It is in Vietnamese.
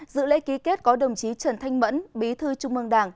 dự lễ ký kết có đồng chí trần thanh mẫn bí thư trung mương đảng